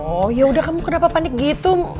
oh yaudah kamu kenapa panik gitu